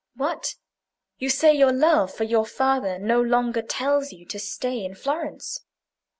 What! you say your love for your father no longer tells you to stay in Florence?